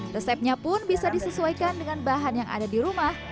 resepnya pun bisa disesuaikan dengan bahan yang ada di rumah